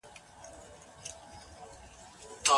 وران سوي توري د وړانګو په مټ لوستل کیږي.